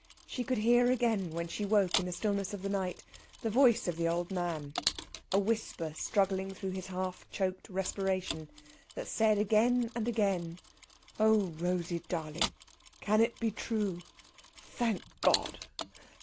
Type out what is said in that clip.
She could hear again, when she woke in the stillness of the night, the voice of the old man, a whisper struggling through his half choked respiration, that said again and again: "Oh, Rosey darling! can it be true? Thank God!